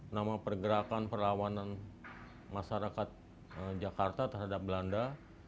nama pergerakan perlawanan masyarakat jakarta terhadap belanda